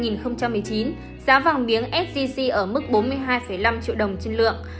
năm hai nghìn một mươi chín giá vàng miếng sgc ở mức bốn mươi hai năm triệu đồng trên lượng